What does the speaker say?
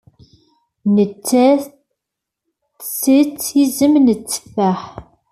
Nettat tettess iẓem n tteffaḥ.